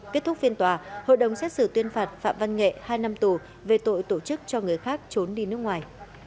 kết thúc phiên tòa hội đồng xét xử tuyên phạt phạm văn nghệ hai năm tù về tội tổ chức cho người khác trốn đi nước ngoài